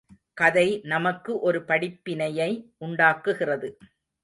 கதை நமக்கு ஒரு படிப்பினையை உண்டாக்குகிறது.